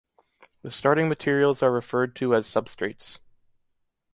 The starting materials are referred to as substrates.